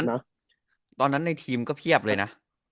ตอนนั้นในทีมก็เพียบเลยนะ